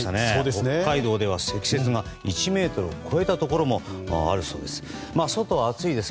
北海道では積雪が１ｍを超えたところもあるそうです。